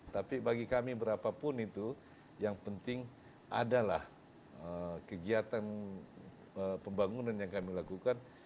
tapi bagi kami berapapun itu yang penting adalah kegiatan pembangunan yang kami lakukan